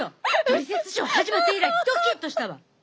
「トリセツショー」始まって以来ドキッとしたわ！